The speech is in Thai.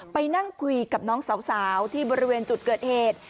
ไปนั่งคุยกับน้องสาวที่บริเวณจุดเกิดเหตุ